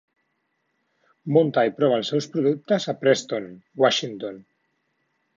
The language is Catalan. Munta i prova els seus productes a Preston, Washington.